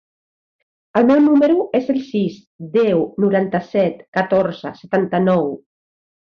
El meu número es el sis, deu, noranta-set, catorze, setanta-nou.